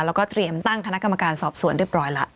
แล้วก็เตรียมตั้งคณะกรรมการสอบสวนเรียบร้อยแล้ว